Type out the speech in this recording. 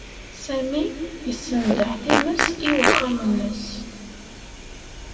Sami yessendeḥ times i uxxam-nnes.